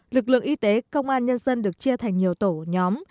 lực lượng y tế công an nhân dân được chia thành nhiều tổ nhóm